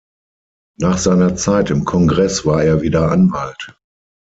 Nach seiner Zeit im Kongress war er wieder Anwalt.